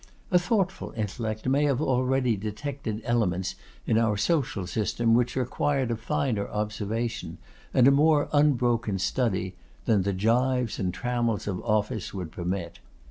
A thoughtful intellect may have already detected elements in our social system which required a finer observation, and a more unbroken study, than the gyves and trammels of office would permit.